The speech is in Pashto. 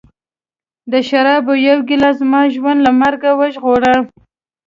د شرابو یوه ګیلاس زما ژوند له مرګ وژغوره